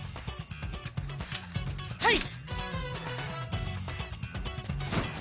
はい！